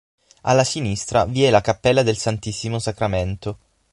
Alla sinistra vi è la cappella del Santissimo Sacramento.